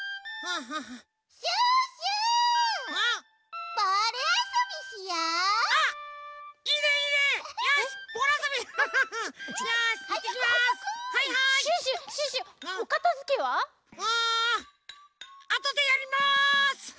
ああとでやります！